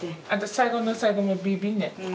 最後の最後もビービーね。